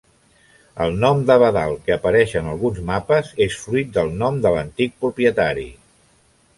El nom d'Abadal que apareix en alguns mapes és fruit del nom de l'antic propietari.